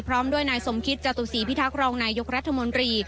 พร้อมด้วยนายสมคิตจตุศีพิทักษ์รองนายยกรัฐมนตรี